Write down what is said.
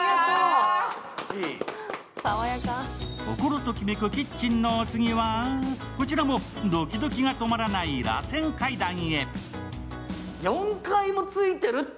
心ときめくキッチンのお次は、こちらもドキドキが止まらないらせん階段へ。